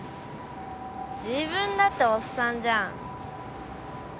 自分だっておっさんじゃん。